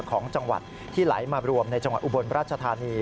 ของจังหวัดที่ไหลมารวมในจังหวัดอุบลราชธานี